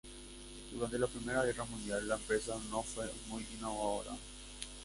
Durante la Primera Guerra Mundial, la empresa no fue muy innovadora.